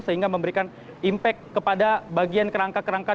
sehingga memberikan impact kepada bagian kerangka kerangka